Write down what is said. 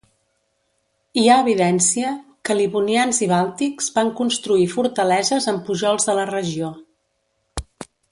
Hi ha evidència que livonians i bàltics van construir fortaleses en pujols de la regió.